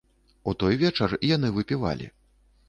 У той вечар яны выпівалі.